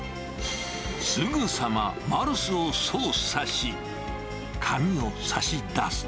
すぐさまマルスを操作し、紙を差し出す。